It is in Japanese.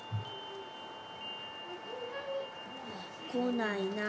「こないなあ。